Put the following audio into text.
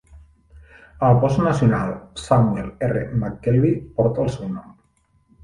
El Bosc Nacional Samuel R. McKelvie porta el seu nom.